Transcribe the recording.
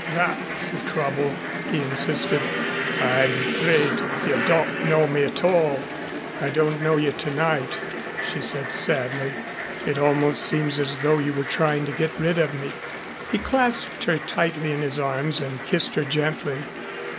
"That's the trouble," he insisted. "I'm afraid you don't know me at all." "I don't know you tonight," she said sadly. "It almost seems as though you were trying to get rid of me." He clasped her tightly in his arms and kissed her gently.